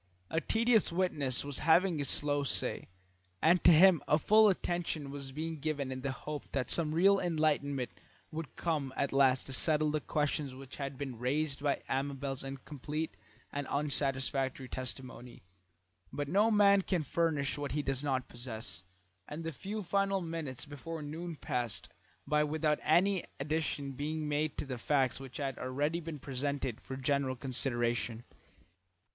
A tedious witness was having his slow say, and to him a full attention was being given in the hope that some real enlightenment would come at last to settle the questions which had been raised by Amabel's incomplete and unsatisfactory testimony. But no man can furnish what he does not possess, and the few final minutes before noon passed by without any addition being made to the facts which had already been presented for general consideration.